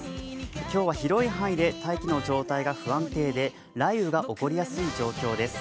今日は広い範囲で大気の状態が不安定で雷雨が起こりやすい状況です。